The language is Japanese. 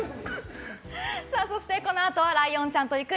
このあとはライオンちゃんと行く！